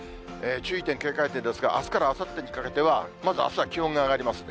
注意点、警戒点ですが、あすからあさってにかけては、まずあすは気温が上がりますね。